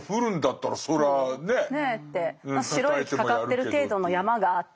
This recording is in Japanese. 白い雪かかってる程度の山がって。